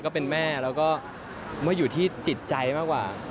ก็เป็นแม่แล้วก็มาอยู่ที่จิตใจมากกว่า